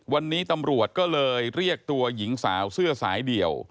วันนี้ตำรวจก็เลยเรียกตัวหญิงสาวเสื้อสายเดี่ยว